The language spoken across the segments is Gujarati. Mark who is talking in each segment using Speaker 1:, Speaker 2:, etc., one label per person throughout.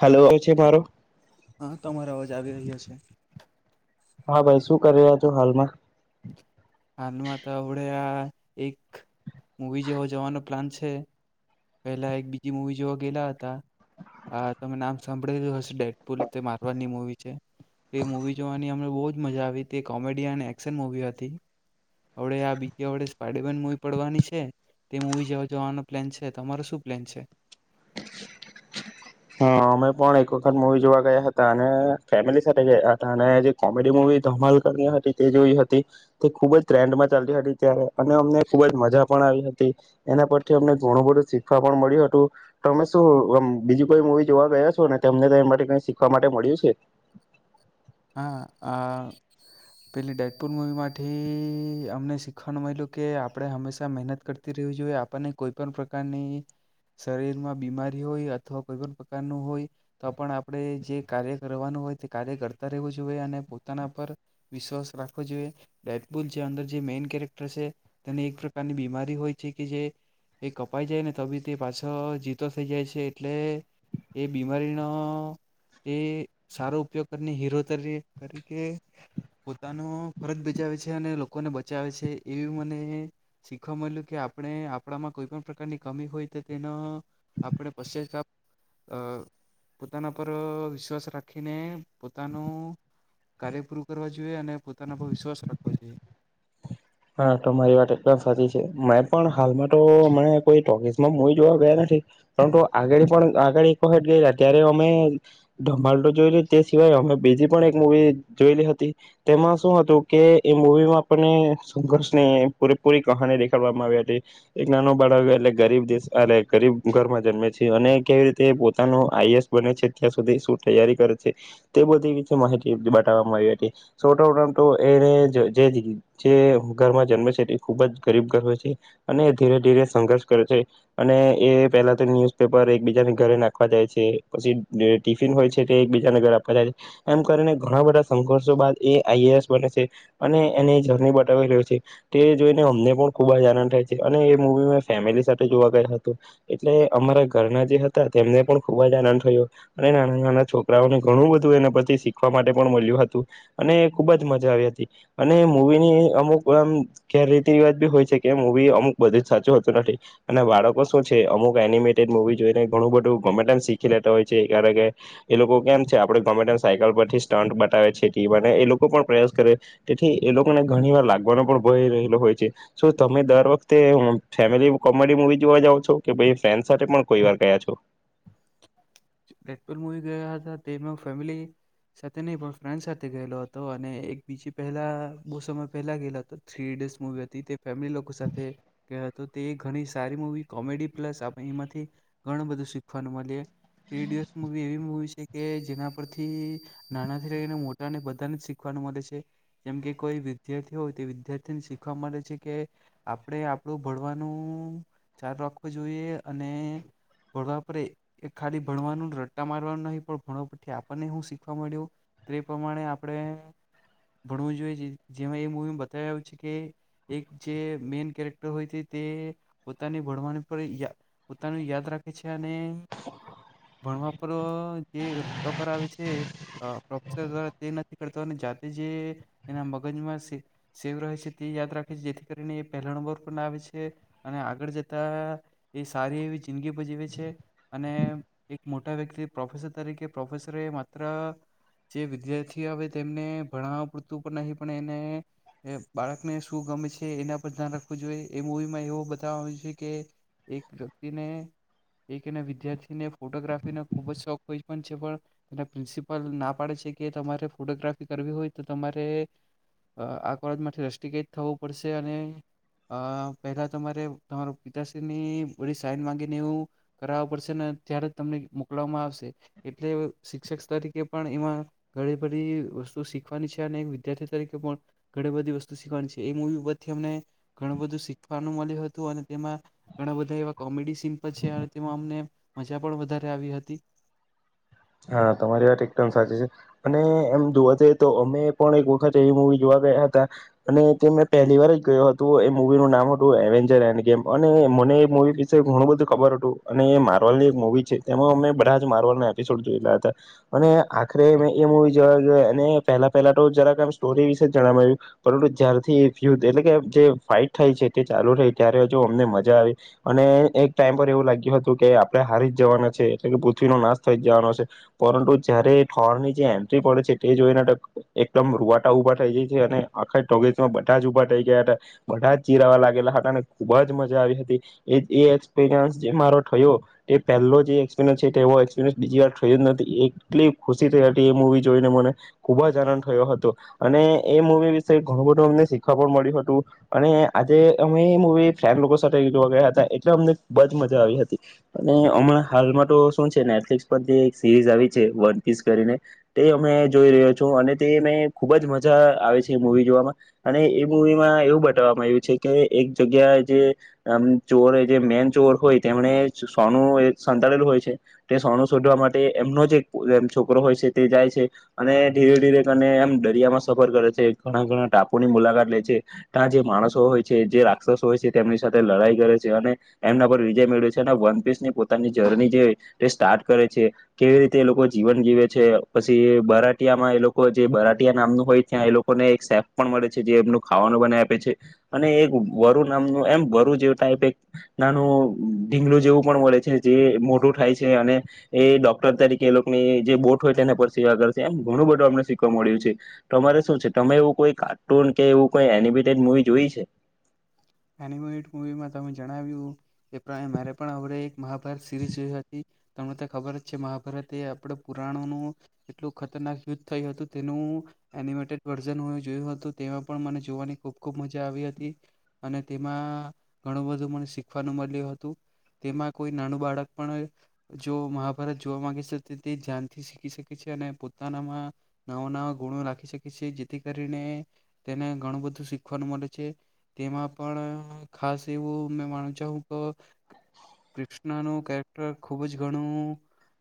Speaker 1: હલો ઓ છે મારો.
Speaker 2: હા તમારા અવાજ આવી રહ્યો છે.
Speaker 1: હા ભાઈ શું કરી રહ્યા છો હાલમાં?
Speaker 2: હાલમાં તો હડે આ એક મૂવી જેવા જવાનો પ્લાન છે પેલા એક બીજી મુવી જોવા ગયલા હતા આ તમે નામ સાંભળેલું હશે ડેટપુલ તે મારવારની મુવી છે તે મુવી જોવાની અમને બહ જ મજા આવી તે કોમેડી અને એક્શન મુવી હતી. હળે આ બીજે વડે સ્પાઈડરમેન મૂવી પડવાની છે તે મૂવી જવા જવાનો પ્લેન છે તમારો શું પ્લેન છે.
Speaker 1: હા અમે પણ એક વખત મુવી જોવા ગયા હતા અને ફેમિલી સાથે ગયા હતા અને જે કોમેડી મુવી ધમાલ કરી હતી તે જોઈ હતી તે ખુબ જ ટ્રેન્ડમાં ચાલતી હતી ત્યારે અને અમને ખુબ જ મજા પણ આવી હતી એના પરથી અમને ઘણું બધું શીખવા પણ મળ્યું હતું તો અમે શું બીજું કોઈ મુવી જોવા ગયા છો ને તને તો એ માટે કઈ શીખવા માટે મળ્યું છે?
Speaker 2: હા આ પેલી ડેટપુર મવીમાંથી અમને શીખવાનું મળલ્યું કે આપણે હંમેશા મહેનત કરતી રવી જોઈએ આપણને કોઈ પણ પ્રકારની શરીરમાં બીમારી હોય અથવા કોઈ પણ પ્રકારનું હોય તો પણ આપણે જે કાર્ય કરવાનું હોય તે કાર્ય કરતા રહેવું જોઈએ અને પોતાના પર વિશ્વાસ રાખવો જોઈએ ડબુલ જે અંદર જે મેન કેરેક્ટર છે તેને એક પ્રકારની બીમારી હોય છે કે જે એ કપાઈ જાય ને ત બી તે પાછો જીતો થઈ જાય છે એટલે એ બીમારીનો એ સારો ઉપયોગ હીરો તરીકે તરીકે પોતાનો ફરજ બજાવે છે અને લોકોને બચાવે છે એવી મને શીખવા મળ્યું કે આપણે આપણામાં કોઈ પણ પ્રકારની કમી હોય તો તેનો આપણે પશ્ચ અ પોતાના પર વિશ્વાસ રાખીને પોતાનું કાર્ય પૂરું કરવા જોઈએ અને પોતાના પર વિશ્વાસ રાખવા જોઈએ.
Speaker 1: હા તો મારી વાત એકદમ સાચી છે મેં પણ હાલમાં તો અ કોઈ ટોકીસમાં મુવી જોવા ગયા નથી પરંતુ આગળ પણ આગળ એક વખત ગઈયા ત્યારે અમે ધભો જોય તે સિવાય અમે બીજી પણ એક મવી જોયેલી હતી તેમાં શું હતું કે એ મુવીમાં આપને [unintelligible] પૂરી કહાની દેખાડવામાં આવી હતી એક નાનો બાળક એટલે ગરીબ દેશ એ ગરીબ ઘરમાં જન્મે છે અને કેવી રીતે પોતાનું આઈસ બને છે ત્યાં સુધી શું તૈયારી કરે છે તે બધી માહિતી બતાવવામાં આવી હતી [unintelligible] જે ઘરમાં જન્મે છે તે ખૂબ જ ગરીબ ઘર હોય છે, અને એ ધીરે ધીરે સંઘર્ષ કરે છે અને એ પહેલા તો ન્યૂઝપેપર એકબીજાને ઘરે નાખવા જાય છે, પછી ટિફિન હોય છે તે એકબીજાને ઘર આપવા જાય છે, એમ કરીને ઘણા બધા સંઘર્ષો બાદ એ આઈ ઈ એસ બને છે, અને એને જની જોઈને અમને પણ ખૂબ જ આનંદ થાય છે, અને એ મવી મેં ફેમિલી સાથે જોવા ગયા હતોું એટલે અમારા ઘરના જે હતા. તેમને પણ ખૂબ જ આનંદ થયો અને નાના, નાના છોકરાઓને ઘણું બધું એના પર શીખવા માટે પણ મળ્યું હતું, અને ખુબ જ મજા આવી હતી, અને મુવીની અમુક આમ કે રેતીરિવાજ બી હોય છે, કે મુવી અમુક બધું જ સાચું હતું નથી અને બાળકો શું છે, અમુક એનિમેટેડ મુવી જોઈને ઘણું બધું ગમે તેમમ શીખી લેતા હોય છે, કારણ કે એ લોકો કેમ છે. આપડે ગમેમ સાયકલ પરથી સ્ટન્ટ બતાવે છે. તે એ લોકો પણ પ્રયાસ કરે, તેથી એ લોકોને ઘણી વાર લાગવાનો પણ ભય રહેલો હોય છે. તમે દર વખતે ફેમિલી કોમેડી મુવી જોવા જાવ છો, કે ભ ફ્રેન્ સાથે પણ કોઈ વાર ગયા છો?
Speaker 2: [unintelligible] મુવી ગયા હતા તેમાં ફેમિલી સાથે નહી પણ ફ્રેન્ડ સાથે ગયેલો હતો, અને એક બીજી પહેલા બહુ સમય પહેલા ગયેલા હતો થ્રી ઇડિયટ્સ મુવી હતી તે ફેમિલી લોકો સાથે ગયો તો તે ઘણી સારી મૂવી કોમેડી પ્લસ આપણે એમાંથી ઘણું બધું શીખવાનું મલ્યે. થ્રી ઈડિયટ્સ મૂવી એવી મુવી છે કે જેના પરથી નાનાથી લઈને મોટાને બધાને શીખવાનું મલે છે, જેમ કે કોઈ વિદ્યાર્થી હોય તે વિદ્યાર્થીને શીખવા મળે છે કે આપણે આપણું ભણવાનું ચાલું રાખવું જોઈએ અને ભણવા પર એ-એ ખાલી ભણવાનું ને રટ્ટા મારવાનું નહીં પણ ભણવા પથી આપણને હું શીખવા મળ્યું તે પ્રમાણે આપણે ભણવું જોઈએ, જે જેમાં એ મૂવીમા બતાઈ આવ્યું છે કે એક જે મેન કેરેક્ટર હોય છે તે પોતાને ભણવાનું પર યા પોતાનું યાદ રાખે છે અને ભણવા પર જે ટોપર આવે છે અહ પ્રોફેસર દ્વારા તે નથી કરતો અને જાતે જે એ એના મગજમાં સ સેવ રહે છે તે યાદ રાખે છે, જેથી કરીને એ પહેલા નંબર પન આવે છે, અને આગળ જતા એ સારી એવી જિંદગી પણ જીવે છે અને એક મોટા વ્યક્તિ પ્રોફેસર તરીકે પ્રોફેસરે માત્ર જે વિદ્યાર્થી આવે તેમને ભણાવવા પૂરતું પણ નહી પણ એને બાળકને શું ગમે છે એના પર ધ્યાન રાખવું જોઈએ, એ મૂવીમાં એવું બતાવવામાં આવ્યું છે કે એક વ્યક્તિને એકના વિદ્યાર્થીને ફોટોગ્રાફીનો ખૂબ જ શોખ હોય પણ છે પણ એના પ્રિન્સિપલ ના પાડે છે કે તમારે ફોટોગ્રાફી કરવી હોય તો તમારે અહ આ કોલેજમાંથી રસ્ટ્રીકેટ થવું પડશે અને અહ પહેલા તમારે તમારો પિતાશ્રીની બધી સાઈન માંગીને એવું કરાવવું પડશે ને ત્યારે તમને મોકલવામાં આવશે, એટલે શિક્ષક તરીકે પણ એમાં ઘણી બધી વસ્તુ શીખવાની છે, અને એક વિદ્યાર્થી તરીકે પણ ઘણી બધી વસ્તુ શીખવાની છે, એ મૂવી ઉપરથી અમને ઘણું બધું શીખવાનું મલ્યું હતું, અને તેમાં ઘણા બધા એવા કોમેડી સીન પર છે અને તેમાં અમને મજા પણ વધારે આવી હતી.
Speaker 1: હા તમારી વાત એકદમ સાચી છે, અને એમ જોવા જઈએ તો અમે પણ એક વખત એવી મૂવી જોવા ગયા હતા અને તે મેં પહેલી વાર જ ગયો હતો, એ મૂવી નું નામ હતું એવેન્જર એન્ડ ગેમ અને મને એ મૂવી વિશે ઘણું બધું ખબર હતું અને એ માર્વલ ની એક મુવી છે, તેમાં અમે બરા જ માર્વલ ને [unintelligible] હતા, અને આખરે મે એ મુવી જોવા ગયો એને પહેલા-પહેલા તો જરાક આમ સ્ટોરી વિશે જણાવાયું પરંતુ જ્યારથી એ યુદ્ધ એટલે કે જે ફાઈટ થાય છે તે ચાલુ થઈ ત્યારે જો અમને મજા આવી, અને એક ટાઈમ પર એવું લાગ્યું હતું કે આપણે હારી જ જવાના છે એટલે કે પૃથ્વીનો નાશ થઈ જ જવાનો છે પરંતું જયારે ઠોર ની જે એન્ટ્રી પડે છે તે જોઈને તો એકદમ રૂવાટા ઉભા થઈ જાય છે, અને આખા ટોકીઝમાં બધા જ ઉભા થઈ ગયા હતા. બધા જ ચીરાવા લાગેલા હતા, અને ખુબ જ મજા આવી હતી. એ એ એક્સપિરિયન્સ જે મારો થયો એ પહેલો જે એક્સપિરયન્સ છે તેવો એક્સપિરીયન્સ બીજી વાર થયું જ નથી, એટલી ખુશી થઈ હતી એ મૂવી જોઈને મને, ખુબ જ આનંદ થયો હતો, અને એ મુવી વિશે ઘણું બધું અમને શીખવા પણ મળ્યું હતું, અને આજે અમે એ મૂવી ફ્લેમ લોકો સાથે જોવા ગયા હતા એટલે અમને ખૂબ જ મજા આવી હતી. અને હમણાં હાલમાં તો શું છે ને [unintelligible] જે એક સીરીઝ આવી છે વન પીસ કરીને તે અમે જોઈ રહ્યો છું, અને તે એને ખુબ જ મજા આવે છે એ મૂવી જોવામાં, અને એ મુવીમાં એવું બતાવવામાં આવ્યું છે કે એક જગ્યાએ જે આમ ચોર એ જે મેન ચોર હોય તેમણે સોનું એ સંતાડેલું હોય છે. તે સોનું શોધવા માટે એમનો જે એક એમ છોકરો હોય છે તે જાય છે, અને ધીરે-ધીરે કરીને એમ દરિયામાં સફર કરે છે, ઘણા-ઘણા ટાપુની મુલાકાત લે છે, ત્યાં જે માણસો હોય છે, જે રાક્ષસો હોય છે તેમની સાથે લડાઈ કરે છે, અને એમના પર વિજય મેળવે છે. અને વન પીસ ની પોતાની જર્ની જે તે સ્ટાર્ટ કરે છે, કેવી રીતે એ લોકો જીવન જીવે છે, પછી બરાટિયામાં એ લોકો જે બરાટિયા નામનું હોય ત્યાં એ લોકોને એક સેફ પણ મળે છે, જે એમનું ખાવાનું બનાઈ આપે છે, અને એક વરુ નામનું એમ વરુ જેવ ટાઈપ એક નાનું ઢીંગલું જેવું પણ મળે છે જે મોટું થાય છે છે અને એ ડોક્ટર તરીકે એ લોકોની જે બોટ હોય તેના પર સેવા કરશે, એમ ઘણું બધું અમને શીખવા મળ્યું છે. તમારે શું છે, તમે એવું કોઈ કાર્ટૂન કે એવું કોઈ એનિમેટેડ મુવી જોઈ છે?
Speaker 2: એનીમેઈટ મુવીમાં તમે જણાવ્યું કે પ્ર મારે પણ હવે એક મહાભારત સિરીઝ જે હતી તમને તો ખબર જ છે મહાભારત એ આપણે પુરાણોનું એટલું ખતરનાક યુદ્ધ થયું હતું, તેનું એનિમેટેડ વર્ઝન મે જોયું હતું, તેમાં પણ મને જોવાની ખૂબ-ખૂબ મજા આવી હતી. અને તેમાં ઘણું બધું મને શીખવાનું મલ્યું હતું. તેમાં કોઈ નાનું બાળક પણ જો મહાભારત જોવા માંગે સે તો તે ધ્યાનથી શીખી શકે છે, અને પોતાનામાં નવા-નવા ગુણો રાખી શકે સે, જેથી કરીને તેને ઘણું બધું શીખવાનું મલે છે. તેમાં પણ ખાસ એવું મેં માનું ચાહું ક કૃષ્ણનું કેરેક્ટર ખુબ જ ઘણું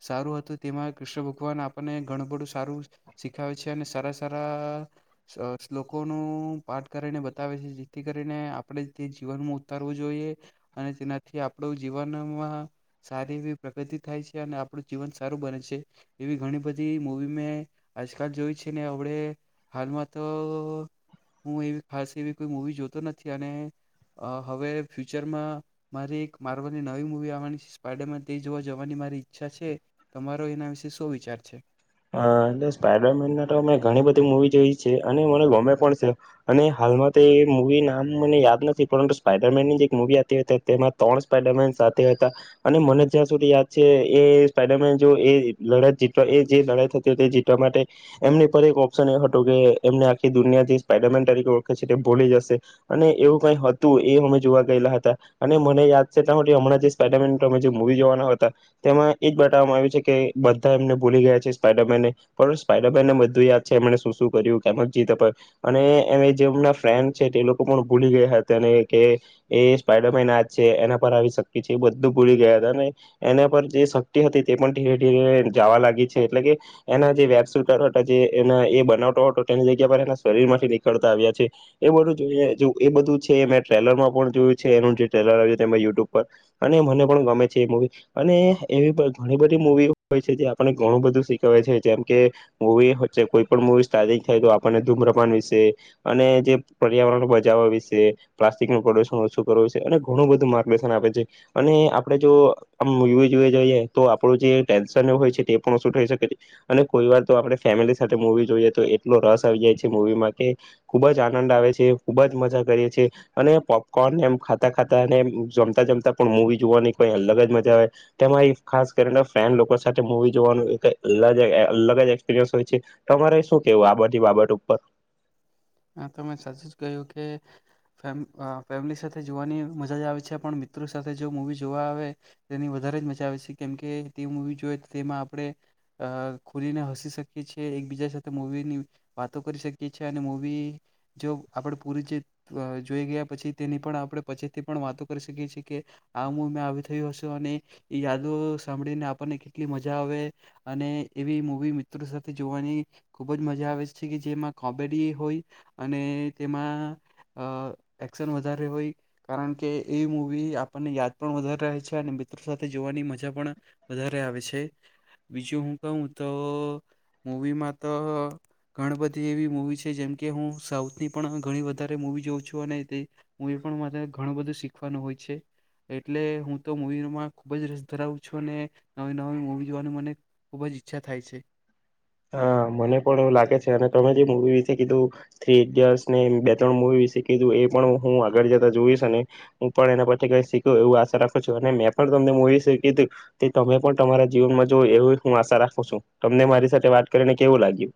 Speaker 2: સારું હતું. તેમાં કૃષ્ણ ભગવાન આપણને ઘણું બધું સારું શીખાવે છે, અને સારા-સારા સ શ્લોકો નું પાઠ કરીને બતાવે છે. જેથી કરીને આપણે તે જીવનમાં ઉતારવું જોઈએ, અને તેનાથી આપણું જીવનમાં સારી એવી પ્રગતિ થાય છે, અને આપણું જીવન સારું બને છે. એવી ઘણી બધી મૂવી મેં આજકાલ જોઈ છે. ને હવડે હાલમાં તો હું એવી ખાસ એવી કોઈ મૂવી જોત તો નથી અને હવે ફ્યુચરમાં મારી એક માર્વલની નવી મુૂવી આવવાની છે સ્પાયડેમાં તે જોવા જવાની મારી ઈચ્છા છે તમારો એના વિશે શું વિચાર છે.
Speaker 1: એટ સ્પાઈડરમેન તો મેં ઘણી બધી મૂવી જોઈ છે અને મને ગમે પણ છે અને હાલમાં તો એ મૂવી નામ મને યાદ નથી પરંતુ સ્પાઈડરમેનની જે એક મૂવી આવતી હતી તેમાં ત્રણ સ્પાઈડરમેન સાથે હતા અને મને જ્યાં સુધી યાદ છે એ સ્પાઈડરમેન જો એ લડત જેલો એ જે લડાઈ થતી હતી તે જીતવા માટે એમની પર એક ઓપ્શન એ હતું કે એમને આખી દુનિયા જે સ્પાઈડામેન તરીકે વળખે છે તે ભોલી જશે અને એવું કઈ હતું એ અમે જોવા ગયેલા હતા અને મને યાદ છે ત હમણાં જે સ્પાઈડામેન અમે જે મવી જોવાના હતા તેમાં એજ બતાવવામાં આવ્યું છે કે બધા એમને ભૂલી ગયા. સ્ને પણ સ્પાઈડરમેનને બધું યાદ છે એમને શું શું કર્યું કેમ જીતે અને એ જેમના ફ્રેન્ડ છે તે લોકો પણ ભૂલી ગયા હતા અને કે એ સ્પાઈડરમેન યાદ છે એના પર આવી શક્તિ છે એ બધું ભૂલી ગયા હતા અને એના પર જે શક્તિ હતી તે પણ ધીરે ધીરે જવા લાગી. એટલે કે એના જે વેબટર હતા જે એ બનાવટો હતો તેની જગ્યા પર એ શરીર માંથી નીકળતા આવ્યા છે એ બધું જો એ બધું છે મેં ટ્રેલરમાં પણ જોયું છે એનું જે ટલર આવ્યું યુટ્યુબ પર અને મને પણ ગમે છે એ મુવી અને એવી ઘણી બધી મુવી હોય છે જે આપ ઘણું બધું શીખ છે જેમ કે મવીચ્ે કોઈ પણ મવી સ્ટારિક થાય તો આપણને ધૂમ રપાન વિશે અને જે પર્યાવરણ બજાવવા વિશે પ્લાસ્ટિક નું પ્રોદુશન ઓછું કરવુંશે અને ઘણું બધું માર્ગદર્શન આપે છે અને આપડે જો આમ મુવી જોવે જઈએ તો આપણું જે ટેન્શન હોય છે. થકે અને કોઈ વાર તો આપણે ફેમિલી સાથે મવી જોઈએ તો એટલો રસ આવી જાય છે મવીમાં કે ખુબ જ આનંદ આવે છે ખુબ જ મજા કરીએીએ અને પોપકોર્ન એમ ખાતા ખાતા અને જમતા જમતા પણ મુવી જોવાની કોઈ અલગ જ મજા આવે તેમાં ખાસ કરીને ફ્રેન લોકો સાથે મવી જોવાનું અલગ જ એક્સપિરિયન્સ હોય છે તમારે શું કેવું આ બી બાબત ઉપર
Speaker 2: હા તમે સાચું જ કહ્યું કે ફેમ ફેમિલી સાથે જોવાની મજા આવે છે પણ મિત્રો સાથે જો મૂવી જોવા આવે તેની વધારે જ મજા આવે છે કેમકે તે મવી જોએ તો તેમાં આપણે ખુલીને હસી શકીએ છીએ એકબીજા સાથે મવીની વાતો કરી શકીએ છેએ અનેવી જો આપણે પૂરી જે જોઈ ગયા પછી તેની પણ આપણે પછીથી પણ વાતો કરી શકીએ છીએ કે આ મુવી મેમાં આવી થયું હશે અને એ યાદો સાંભળીને આપણને કેટલી મજા આવે અને એવી મૂવી મિત્રો સાથે જોવાની ખૂબ જ મજા આવે છે કે જેમાં કોમેડી હોય અને તેમાં એક્શન વધારે હોય કારણ કે એ મવી આપણને યાદ પણ વધારે રહે છે અને મિત્રો સાથે જોવાની મજા પણ વધારે આવે છે બીજું હું કહું તો મવીમાં તો ઘણી બધી એવી મવી જેમકે હું સાઉથની પણ ઘણી વધારે મૂવી જોઉં છું અને તે મૂવી પણ માને ઘણું બધું શીખવાનું હોય છે એટલે હું તો મૂવીમાં ખૂબ જ રસ ધરાવું છું અને નવી નવી મૂવી જોવાની મને ખૂબ જ ઈચ્છા થાય છે.
Speaker 1: હા મને પણ એવું લાગે છે અને તમે જે મવી વિશે કીધું થ્રી ઈડિયટ્સ ને બે ત્રણ મવી વિશે કીધું એ પણ હું આગળ જતા જોઈશ અને હું પણ એના પછ કઈ શીખું એવું આશા રાખું છું અને મેં પણ તમને મવી શીી તમે પણ તમારા જીવનમાં જો એવી હું આશા રાખું છું તમને મારી સાથે વાત કરીને કેવું લાગ્યું.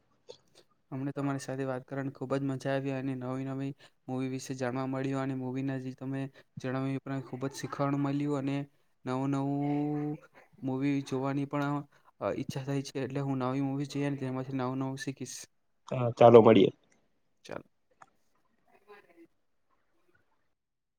Speaker 2: અમને તમારી સાથે વાત કરવાની ખુબ જ મજા આવી અને નવી નવી મુવી વિશે જાણવા મળ્યું અને મવી ના ત જણાવ ખુબ જ શીખવાણ મળ્યું અને નવું નવું મવી જોવાની પણ ઈચ્છા થઈ છે એટલે હું નવી મુવી જોઈ તેમાંથી નવું નવું શીખીશ.
Speaker 1: હા ચાલો મળએ.
Speaker 2: ચાલો